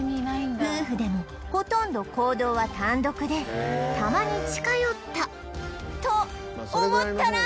夫婦でもほとんど行動は単独でたまに近寄ったと思ったら